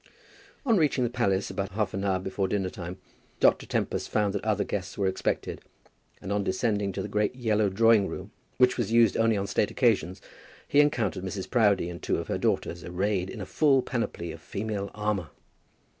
On reaching the palace about half an hour before dinner time, Dr. Tempest found that other guests were expected, and on descending to the great yellow drawing room, which was used only on state occasions, he encountered Mrs. Proudie and two of her daughters arrayed in a full panoply of female armour.